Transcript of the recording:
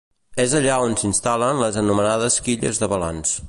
És allà on s'instal·len les anomenades quilles de balanç.